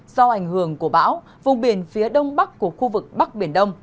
do ảnh hưởng của bão vùng biển phía đông bắc của khu vực bắc biển đông